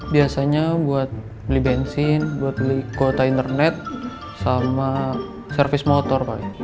biasanya buat beli bensin buat beli kuota internet sama servis motor pak